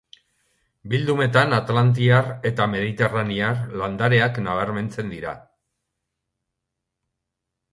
Bildumetan atlantiar eta mediterranear landareak nabarmentzen dira.